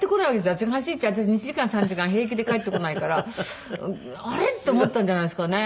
私が走っちゃう私１時間３時間平気で帰ってこないからあれ？と思ったんじゃないですかね。